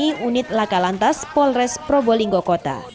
ini unit lakalantas polres probolinggo kota